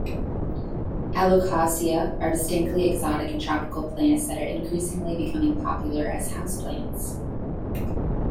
"Alocasia" are distinctly exotic and tropical plants that are increasingly becoming popular as houseplants.